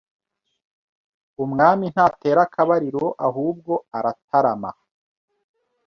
Umwami ntatera akabariro ahubwo aratarama